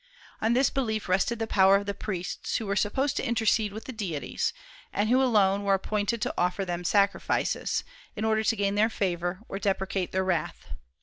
On this belief rested the power of the priests, who were supposed to intercede with the deities, and who alone were appointed to offer to them sacrifices, in order to gain their favor or deprecate their wrath.